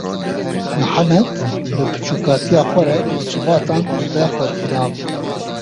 Mihemed bi biçûkatiya xwe re li civatan dibe xwedî nav.